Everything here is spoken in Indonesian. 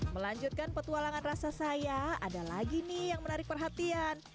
melanjutkan petualangan rasa saya ada lagi nih yang menarik perhatian